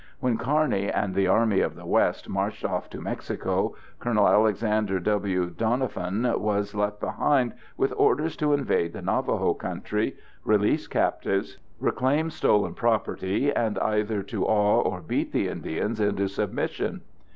When Kearny and the Army of the West marched off to Mexico, Col. Alexander W. Doniphan was left behind with orders to invade the Navajo country, release captives, reclaim stolen property, and either to awe or beat the Indians into submission.